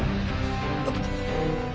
あっ！